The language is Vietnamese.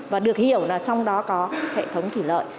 và được hiểu là trong đó có hệ thống thủy lợi